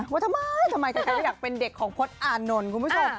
ว่าทำไมทำไมไม่อยากเป็นเด็กของพจน์อานนท์คุณผู้ชม